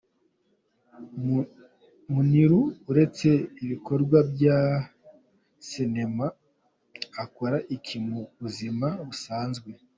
Muniru uretse ibikorwa bya sinema akora iki mu buzima busanzwe?.